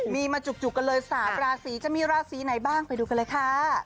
มีมาจุกกันเลย๓ราศีจะมีราศีไหนบ้างไปดูกันเลยค่ะ